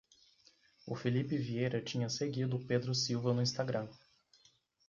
O Filipe Vieira tinha seguido o Pedro Silva no Instagram